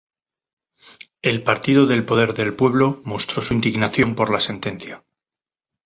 El Partido del Poder del Pueblo mostró su indignación por la sentencia.